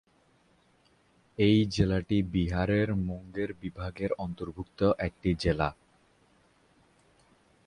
এই জেলাটি বিহারের মুঙ্গের বিভাগের অন্তর্ভুক্ত একটি জেলা।